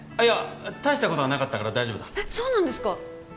大したことなかったから大丈夫だえっそうなんですか？